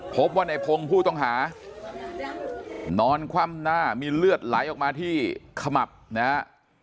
พบว่าในพงศ์ผู้ต้องหานอนคว่ำหน้ามีเลือดไหลออกมาที่ขมับนะฮะ